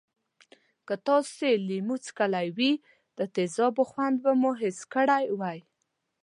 که تاسې لیمو څکلی وي د تیزابو خوند به مو حس کړی وی.